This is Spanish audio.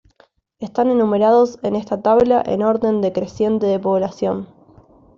Están enumerados en esta tabla en orden decreciente de población